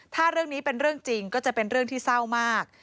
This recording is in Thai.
ถ้าเรื่องนี้เป็นเรื่องจริงก็จะเป็นเรื่องที่เศร้ามาก